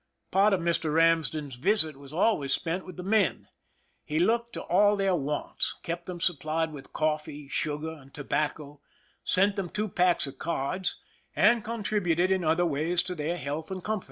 Part of Mr. Ramsden's visit was always spent with the men. He looked to all their wants— kept them supplied with coffee, sugar, and tobacco, sent them two packs of cards, and contributed in other ways to their health and comfort.